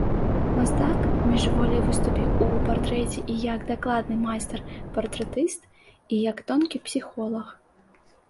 Мастак міжволі выступіў у партрэце і як дакладны майстар-партрэтыст, і як тонкі псіхолаг.